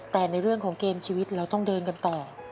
แต่ในเรื่องของเกมชีวิตเราต้องเดินกันต่อ